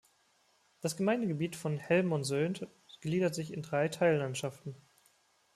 Das Gemeindegebiet von Hellmonsödt gliedert sich in drei Teillandschaften.